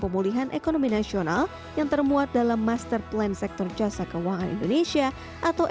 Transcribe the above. pemulihan ekonomi nasional yang termuat dalam master plan sektor jasa keuangan indonesia atau